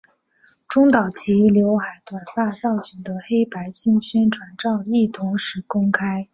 中岛齐浏海短发造型的黑白新宣传照亦同时公开。